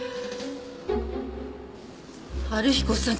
春彦さん。